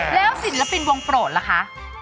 แล้วศิลปินวงโปรดล่ะคะ